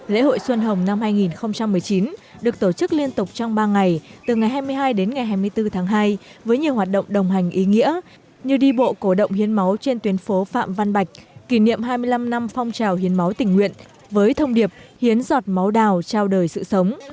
lễ hội xuân hồng năm hai nghìn một mươi chín được tổ chức liên tục trong ba ngày từ ngày hai mươi hai đến ngày hai mươi bốn tháng hai với nhiều hoạt động đồng hành ý nghĩa như đi bộ cổ động hiến máu trên tuyến phố phạm văn bạch kỷ niệm hai mươi năm năm phong trào hiến máu tình nguyện với thông điệp hiến giọt máu đào trao đời sự sống